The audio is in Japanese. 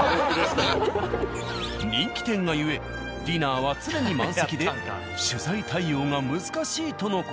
人気店がゆえディナーは常に満席で取材対応が難しいとの事。